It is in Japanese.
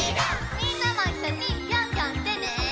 みんなもいっしょにピョンピョンしてね！